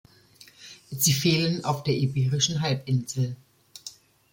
Sie fehlen auf der Iberischen Halbinsel.